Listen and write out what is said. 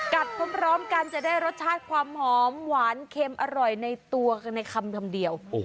พร้อมกันจะได้รสชาติความหอมหวานเค็มอร่อยในตัวกันในคำคำเดียว